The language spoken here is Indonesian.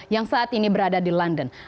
dan juga juga untuk yang berada di london